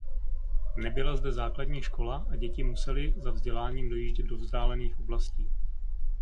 Nebyla zde základní škola a děti musely za vzděláním dojíždět do vzdálených oblastí.